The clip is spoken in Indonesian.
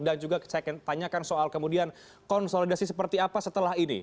dan juga saya tanyakan soal kemudian konsolidasi seperti apa setelah ini